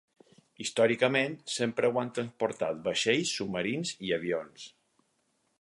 Històricament, sempre ho han transportat vaixells, submarins i avions.